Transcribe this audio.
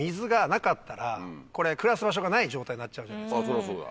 そりゃそうだ。